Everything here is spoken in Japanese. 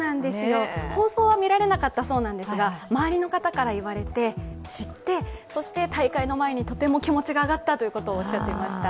放送は見られなかったそうなんですが、周りの方から言われてそして大会の前にとても気持ちが上がったとおっしゃってました。